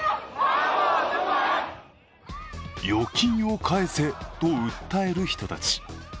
預金を返せと訴える人たち。